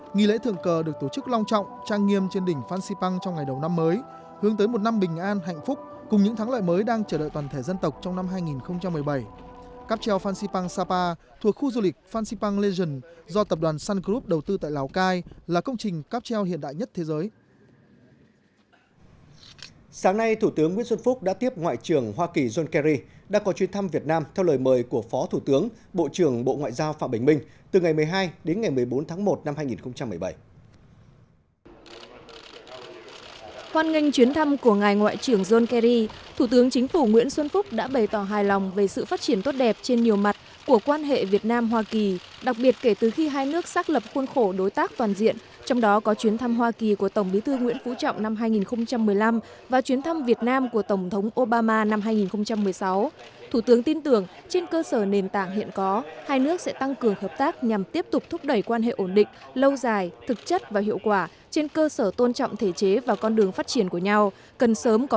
nghị lễ thượng cờ được tổ chức long trọng trang nghiêm trên đỉnh phan xipang trong ngày đầu năm mới hướng tới một năm bình an hạnh phúc cùng những tháng lợi mới đang chờ đợi toàn thể dân tộc trong năm hai nghìn một mươi bảy